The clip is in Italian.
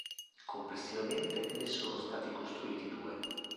Complessivamente, ne sono stati costruiti due.